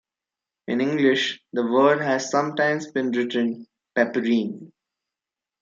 In English the word has sometimes been written "peperine".